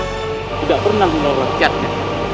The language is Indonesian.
tidak senang menolong rakyatnya